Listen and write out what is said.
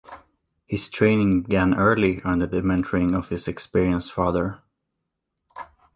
His training began early under the mentoring of his experienced father.